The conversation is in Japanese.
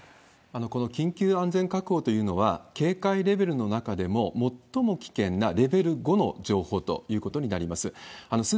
この緊急安全確保というのは、警戒レベルの中でも最も危険なレベル５の情報ということになります。